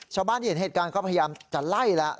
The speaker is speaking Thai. ชาวบ้านที่เห็นเหตุการณ์ก็พยายามจะไล่แล้ว